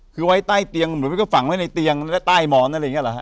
คือไว้ใต้เตียงเหมือนมันก็ฝังไว้ในเตียงและใต้หมอนอะไรอย่างนี้เหรอฮ